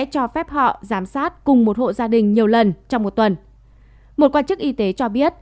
cho phép họ giám sát cùng một hộ gia đình nhiều lần trong một tuần một quan chức y tế cho biết